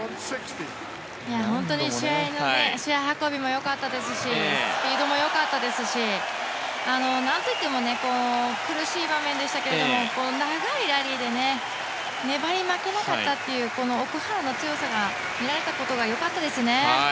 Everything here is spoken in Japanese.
本当に試合運びも良かったですしスピードも良かったですし何といっても苦しい場面でしたけれども長いラリーで粘り負けなかったというこの奥原の強さが見られたことが良かったですね。